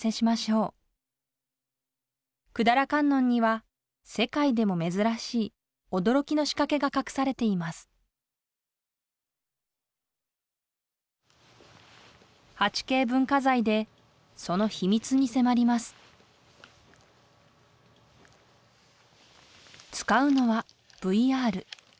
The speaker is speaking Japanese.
百済観音には世界でも珍しい驚きの仕掛けが隠されています８Ｋ文化財でその秘密に迫ります使うのはＶＲ。